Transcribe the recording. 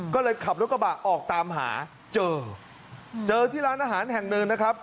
ก็เลยขับรถกระบะออกตามหาเจอเจอที่ร้านอาหารแห่งหนึ่งนะครับ